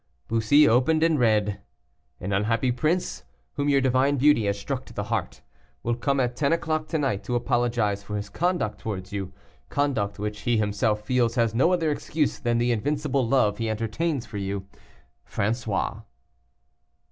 Bussy obeyed and read "An unhappy prince, whom your divine beauty has struck to the heart, will come at ten o'clock to night to apologize for his conduct towards you conduct which he himself feels has no other excuse than the invincible love he entertains for you. "FRANÇOIS."